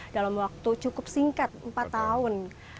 dalam waktu cukup singkat empat tahun